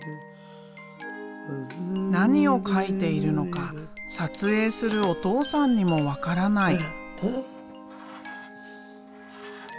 何を描いているのか撮影するお父さんにも分からない。